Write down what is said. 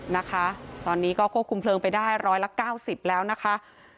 นะคะตอนนี้ก็ควบคุมเพลิงไปได้ร้อยละ๙๐แล้วนะคะ